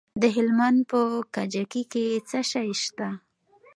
د هلمند په کجکي کې څه شی شته؟